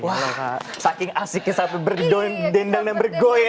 wah saking asiknya sampai berdendam dan bergoy ya